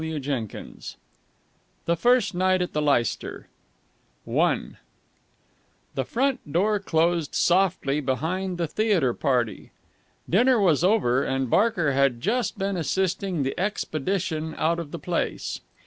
CHAPTER II THE FIRST NIGHT AT THE LEICESTER I The front door closed softly behind the theatre party. Dinner was over, and Barker had just been assisting the expedition out of the place.